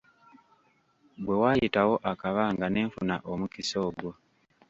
Bwe waayitawo akabanga ne nfuna omukisa ogwo.